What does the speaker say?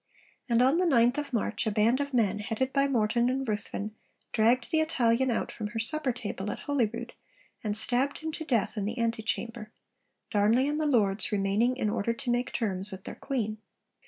And on the 9th of March a band of men headed by Morton and Ruthven dragged the Italian out from her supper table at Holyrood, and stabbed him to death in the ante chamber; Darnley and the lords remaining in order to make terms with their Queen.